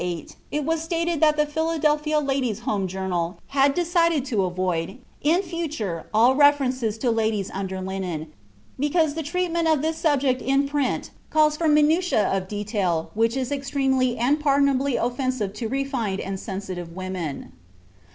Some years ago, (1898), it was stated that the Philadelphia Ladies' Home Journal had decided to avoid, in future, all reference to ladies' under linen, because "the treatment of this subject in print calls for minutiæ of detail which is extremely and pardonably offensive to refined and sensitive women."